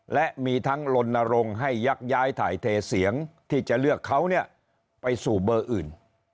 และมีทั้งลนรงค์ให้ยักย้ายถ่ายเทเสียงที่จะเลือกเขาไปสู่เบอร์อื่น